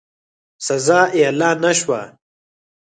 سزا اعلان نه شوه.